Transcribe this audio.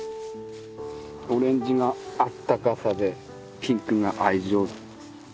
オレンジがあったかさでピンクが愛情。